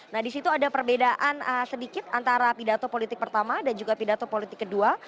nah di situ ada perbedaan sedikit antara pidato politik pertama dan juga pidato politik kedua